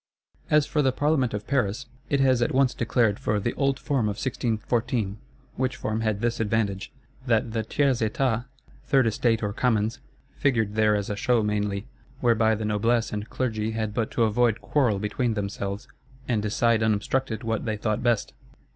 As for the Parlement of Paris, it has at once declared for the "old form of 1614." Which form had this advantage, that the Tiers Etat, Third Estate, or Commons, figured there as a show mainly: whereby the Noblesse and Clergy had but to avoid quarrel between themselves, and decide unobstructed what they thought best.